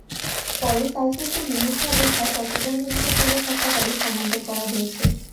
পরে সাইফুলকে মুমূর্ষু অবস্থায় চট্টগ্রাম মেডিকেল কলেজ হাসপাতালে স্থানান্তর করা হয়েছে।